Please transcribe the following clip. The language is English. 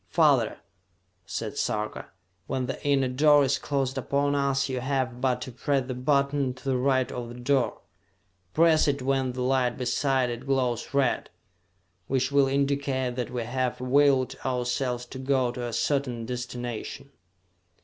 "Father," said Sarka, "when the inner door is closed upon us, you have but to press the button to the right of the door. Press it when the light beside it glows red, which will indicate that we have willed ourselves to go to a certain destination!"